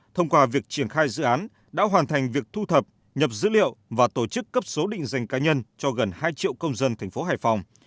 thông qua việc triển khai dự án đã hoàn thành việc thu thập nhập dữ liệu và tổ chức cấp số định danh cá nhân cho gần hai triệu công dân thành phố hải phòng